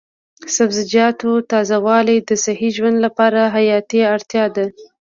د سبزیجاتو تازه والي د صحي ژوند لپاره حیاتي اړتیا ده.